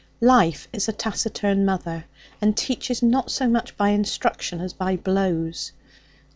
Life is a taciturn mother, and teaches not so much by instruction as by blows.